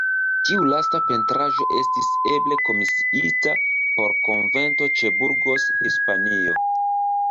Tiu lasta pentraĵo estis eble komisiita por konvento ĉe Burgos, Hispanio.